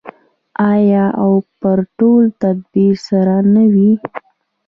آیا او په پوره تدبیر سره نه وي؟